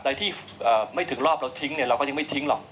แต่ที่ไม่ถึงรอบเราทิ้งเราก็ยังไม่ทิ้งหรอก